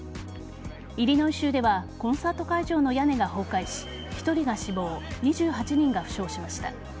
イリノイ州ではコンサート会場の屋根が崩壊し１人が死亡２８人が負傷しました。